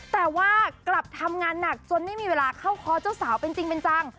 แต่ว่ากลับทำงานหนักจนไม่มีเวลาเข้าคอเจ้าสาวเป็นจริงเป็นจัง